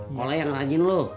boleh yang ngeragiin lo